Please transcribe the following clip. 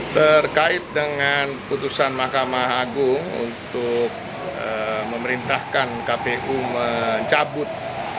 terkait dengan putusan mahkamah agung untuk memerintahkan kpu mencabut